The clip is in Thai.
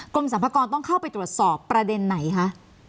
กรมสรรพากรต้องเข้าไปตรวจสอบประเด็นไหนคะ